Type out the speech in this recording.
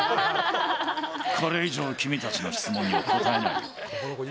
これ以上、君たちの質問には答えないよ。